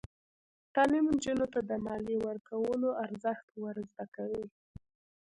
تعلیم نجونو ته د مالیې ورکولو ارزښت ور زده کوي.